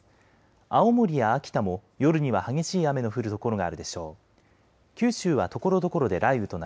青森や秋田も夜には激しい雨の降る所があるでしょう。